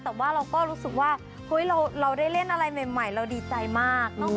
แต่ว่าเราก็รู้สึกว่าเราได้เล่นอะไรใหม่เราดีใจมาก